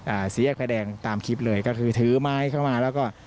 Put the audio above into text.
สี่แยกไฟแดงตามคลิปเลยก็คือถือไม้เข้ามาแล้วก็